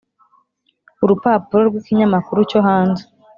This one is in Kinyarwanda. urupapuro rw’ikinyamakuru cyo hanze,